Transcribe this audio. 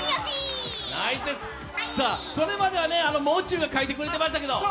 それまではもう中が描いてくれましたけど。